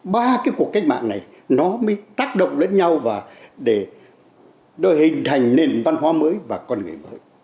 ba cuộc cách mạng này mới tác động lên nhau để hình thành nền văn hóa mới